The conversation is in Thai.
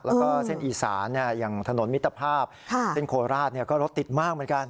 แล้วก็เส้นอีสานอย่างถนนมิตรภาพเส้นโคราชก็รถติดมากเหมือนกัน